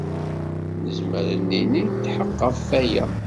Nezmer ad d-nini netḥeqq ɣef waya.